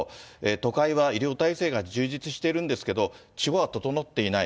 都会は医療体制が充実しているんですけれども、地方は整っていない。